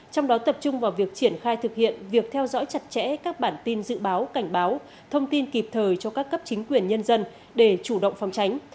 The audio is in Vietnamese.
trong đó tập trung vào việc triển khai thực hiện việc theo dõi chặt chẽ các bản tin dự báo cảnh báo thông tin kịp thời cho các cấp chính quyền nhân dân để chủ động phòng tránh